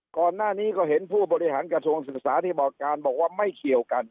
ก่อนหน้านี้ก็เห็นผู้บริหารกระทรวงศึกษาที่บอกการบอกว่าไม่เกี่ยวกัน